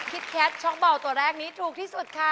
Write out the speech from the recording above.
แคทช็อกเบาตัวแรกนี้ถูกที่สุดค่ะ